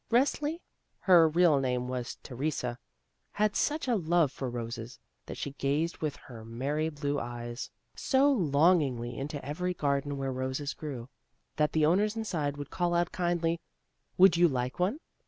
Resli — ^her real name was Theresa — ^had such a love for roses, that she gazed with her merry blue eyes so long ingly into every garden where roses grew, that the owners inside would call out kindly: "Would you like one?"